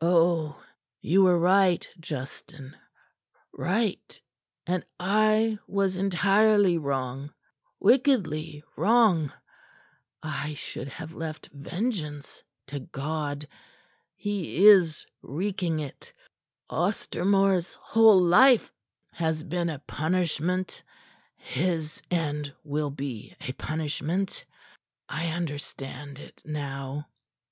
"Oh, you were right, Justin; right, and I was entirely wrong wickedly wrong. I should have left vengeance to God. He is wreaking it. Ostermore's whole life has been a punishment; his end will be a punishment. I understand it now.